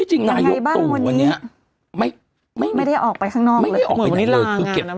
ที่จริงนายกตูวันนี้ไม่ได้ออกไปข้างนอกเลย